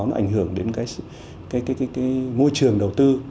nó ảnh hưởng đến cái môi trường đầu tư